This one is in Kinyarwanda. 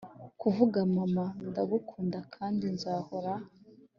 kuvuga, "mama ndagukunda kandi nzahora."